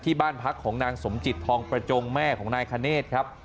บ้านพักของนางสมจิตทองประจงแม่ของนายคเนธครับ